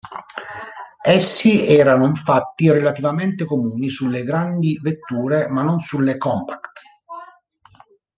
Essi erano infatti relativamente comuni sulle grandi vetture, ma non sulle compact.